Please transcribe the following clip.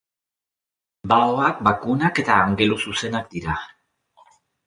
Baoak bakunak eta angeluzuzenak dira.